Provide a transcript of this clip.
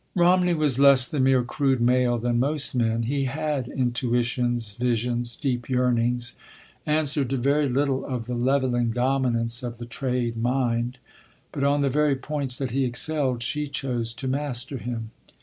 Romney was less the mere crude male than most men. He had intuitions, visions, deep yearnings, answered to very little of the levelling dominance of the trade mind, but on the very points that he excelled, she chose to master him.